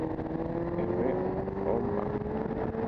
Aimé Omba